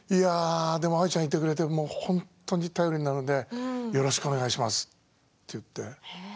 でも愛ちゃんがいてくれて本当に頼りになるのでよろしくお願いしますって言って。